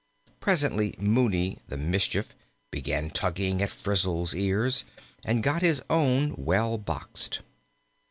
Presently Mooney, the mischief, began tugging at Frizzle's ears, and got his own well boxed.